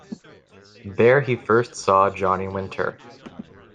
There he first saw Johnny Winter.